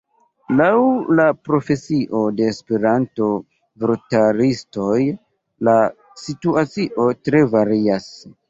Laŭ la profesio de Esperanto-vortaristoj la situacio tre varias.